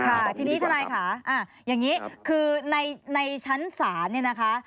หน้าที่นี่จะหาอ่ะอย่างนี้คือในในนี้ฉันสรรเนี่ยนะคะ